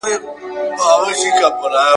ورته پسونه او نذرونه راځي !.